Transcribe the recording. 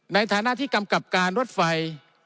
ในฐานะที่กำกับการรถไฟ